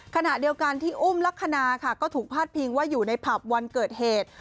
ขณะเดียวกันที่อุ้มลักษณะค่ะก็ถูกพาดพิงว่าอยู่ในผับวันเกิดเหตุ